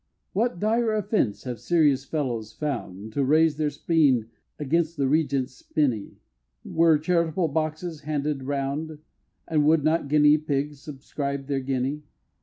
What dire offence have serious Fellows found To raise their spleen against the Regent's spinney? Were charitable boxes handed round, And would not Guinea Pigs subscribe their guinea?